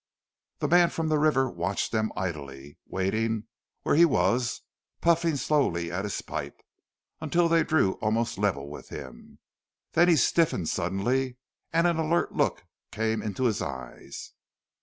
The man from the river watched them idly, waiting where he was, puffing slowly at his pipe, until they drew almost level with him. Then he stiffened suddenly, and an alert look came in his eyes.